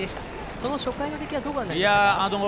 初回の出来はどうご覧になりますか？